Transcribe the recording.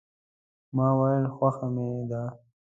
ما ویل خوښه مې ده.